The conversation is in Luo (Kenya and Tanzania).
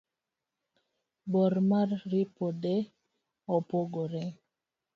bor mar ripode opogore